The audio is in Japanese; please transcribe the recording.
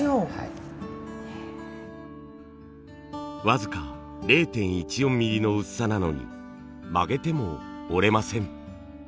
僅か０．１４ミリの薄さなのに曲げても折れません。